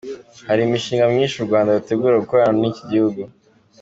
Hari n’imishinga myinshi u Rwanda rutegura gukorana n’iki gihugu.